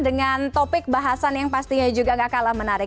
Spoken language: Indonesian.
dengan topik bahasan yang pastinya juga gak kalah menarik